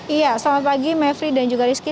iya selamat pagi mevri dan juga rizky